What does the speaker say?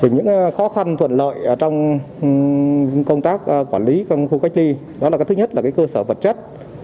những khó khăn thuận lợi trong công tác quản lý khu cách ly thứ nhất là cơ sở vật chất